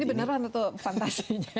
ini beneran atau fantasinya